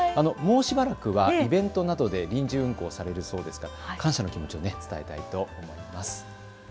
もうしばらくはイベントなどで臨時運行されるそうですから感謝の気持ちを伝えたいと思います。